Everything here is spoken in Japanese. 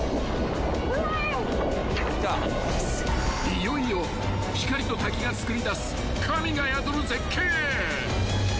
［いよいよ光と滝がつくり出す神が宿る絶景へ］